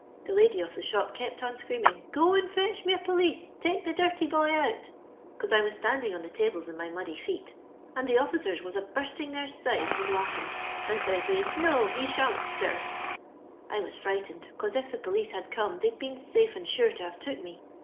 The lady of the shop kept on screaming —*• Go and fetch me a police— take the dirty boy out,' cos I was Btandmg on the tables in my muddy feet, and the officers was a bursting their sides with laughing ; and says they, *■ No, he sham't stir.* I was fHghtened, cos if the police had come they'd been safe and sure to have took me.